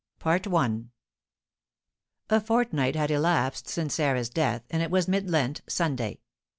BICÊTRE. A fortnight had elapsed since Sarah's death, and it was mid Lent Sunday.